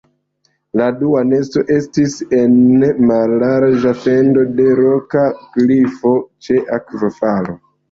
La dua nesto estis en mallarĝa fendo de roka klifo ĉe akvofalo.